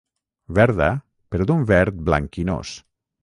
Verda però d'un verd blanquinós.